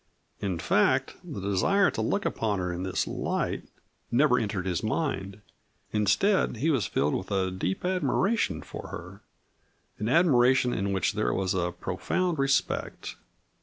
In fact, the desire to look upon her in this light never entered his mind. Instead, he was filled with a deep admiration for her an admiration in which there was a profound respect.